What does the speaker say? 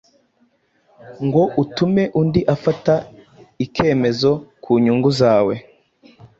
ngo utume undi afata ikemezo ku nyungu zawe,